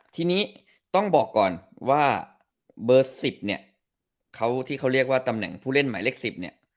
ทีนี้ต้องบอกก่อนว่าเบอร์๑๐เนี่ยเขาที่เขาเรียกว่าตำแหน่งผู้เล่นหมายเลข๑๐เนี่ย